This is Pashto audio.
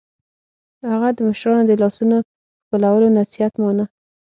هغه د مشرانو د لاسونو ښکلولو نصیحت مانه